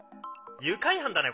愉快犯だね